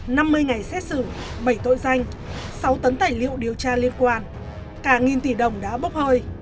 năm mươi ngày xét xử bảy tội danh sáu tấn tài liệu điều tra liên quan cả nghìn tỷ đồng đã bốc hơi